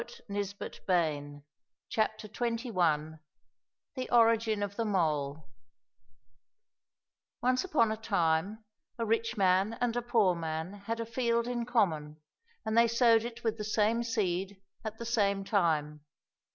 204 THE ORIGIN OF THE MOLE THE ORIGIN OF THE MOLE ONCE upon a time a rich man and a poor man had a field in common, and they sowed it with the same seed at the same time.